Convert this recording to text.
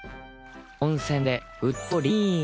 温泉でうっとりん。